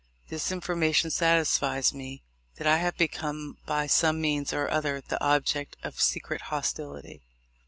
This information satisfies me that I have become, by some means or other, the object of secret hostility.